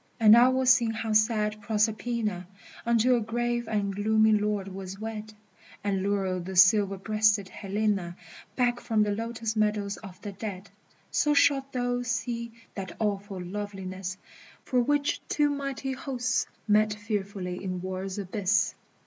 And I will sing how sad Proserpina Unto a grave and gloomy Lord was wed, And lure the silver breasted Helena Back from the lotus meadows of the dead, So shalt thou see that awful loveliness For which two mighty Hosts met fearfully in war's abyss!